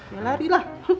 ya lari lah